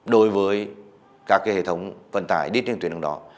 đối với các cái hệ thống vận tải đi trên tuyển đường đó